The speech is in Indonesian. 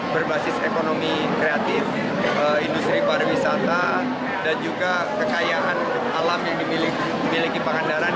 berbasis ekonomi kreatif industri pariwisata dan juga kekayaan alam yang dimiliki pangandaran